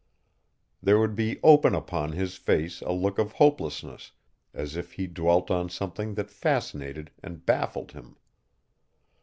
There would be open upon his face a look of hopelessness, as if he dwelt on something that fascinated and baffled him.